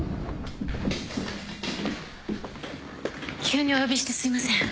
急にお呼びしてすいません。